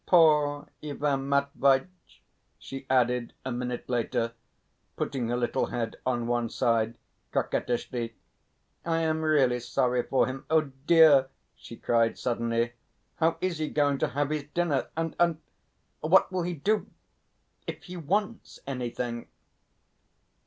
"Poor Ivan Matveitch," she added a minute later, putting her little head on one side coquettishly. "I am really sorry for him. Oh, dear!" she cried suddenly, "how is he going to have his dinner ... and ... and ... what will he do ... if he wants anything?"